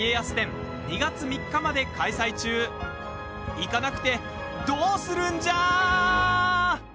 行かなくてどうするんじゃあ！